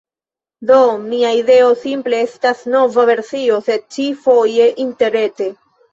Do mia ideo simple estas nova versio, sed ĉi-foje interrete.